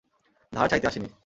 ধার চাইতে আসি নি।